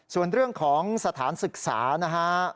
ส่วนเรื่องของสถานศึกษานะฮะ